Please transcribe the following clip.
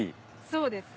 そうです。